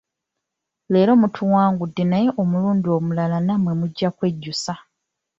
Leero mutuwangudde naye ku mulundi omulala nammwe mujja kukyejjusa.